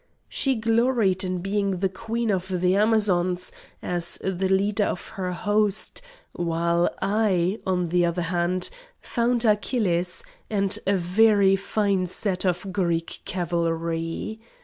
She gloried in being the queen of the Amazons, as the leader of her host; while I, on the other hand, found Achilles, and a very fine set of Greek cavalry.